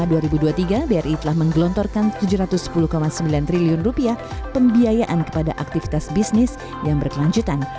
bri mencapai kebutuhan digital nasabahnya dengan meluncurkan tujuh ratus sepuluh sembilan triliun rupiah pembiayaan kepada aktivitas bisnis yang berkelanjutan